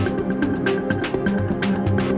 tim liputan cnn indonesia